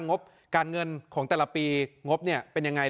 งบการเงินของแต่ละปีงบเป็นยังไง